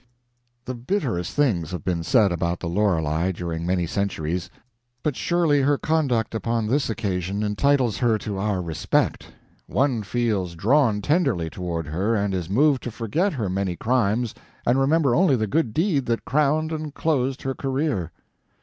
The bitterest things have been said about the Lorelei during many centuries, but surely her conduct upon this occasion entitles her to our respect. One feels drawn tenderly toward her and is moved to forget her many crimes and remember only the good deed that crowned and closed her career.